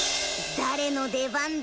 誰の出番だ？